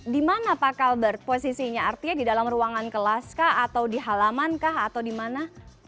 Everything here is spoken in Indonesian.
di mana pak kalbert posisinya artinya di dalam ruangan kelas kah atau di halaman kah atau di mana